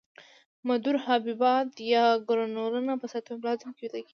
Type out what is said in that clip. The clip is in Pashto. مدور حبیبات یا ګرنولونه په سایتوپلازم کې پیدا کیږي.